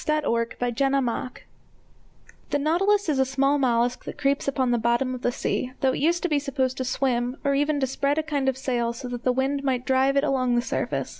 _ THE CHAMBERED NAUTILUS The nautilus is a small mollusk that creeps upon the bottom of the sea, though it used to be supposed to swim, or even to spread a kind of sail so that the wind might drive it along the surface.